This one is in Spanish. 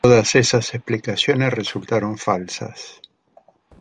Todas esas explicaciones resultaron falsas.